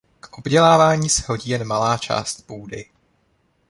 K obdělávání se hodí jen malá část půdy.